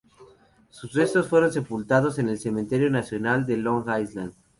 Sus restos fueron sepultados en el Cementerio Nacional de Long Island.